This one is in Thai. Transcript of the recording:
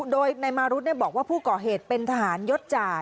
โดยนายมารุธบอกว่าผู้ก่อเหตุเป็นทหารยศจ่า